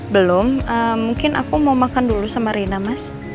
belum mungkin aku mau makan dulu sama rina mas